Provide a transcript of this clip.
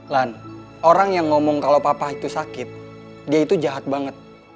lan orang yang ngomong kalau papa itu sakit dia itu jahat banget